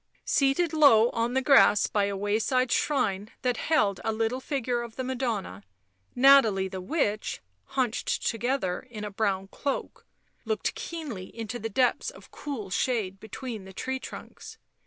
Seated low on the grass by a wayside shrine that held a little figure of the Madonna, Nathalie the witch, hunched together in a brown cloak, looked keenly into the depths of cool shade between the tree trunks.